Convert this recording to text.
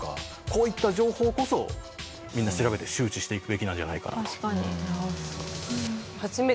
こういった情報こそみんな調べて周知していくべきなんじゃないかなと。